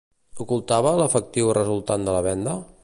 Ocultava l'efectiu resultant de la venda?